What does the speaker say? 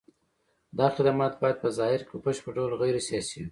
دا خدمات باید په ظاهر کې په بشپړ ډول غیر سیاسي وي.